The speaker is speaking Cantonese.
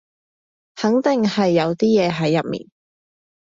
肯定係有啲嘢喺入面